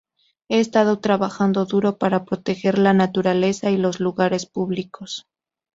Ha estado trabajando duro para proteger la naturaleza y los lugares públicos.